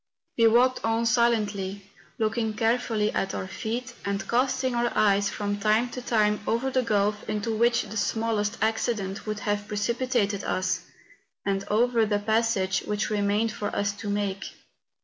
We walked on silently, looking carefully at our feet, and casting our eyes rfrom time to time over the gulf into which the ^hiallest accident would have precipitated us, and over the passage which remained for us to make.